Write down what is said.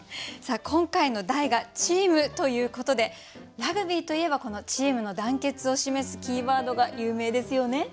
さあ今回の題が「チーム」ということでラグビーといえばこのチームの団結を示すキーワードが有名ですよね？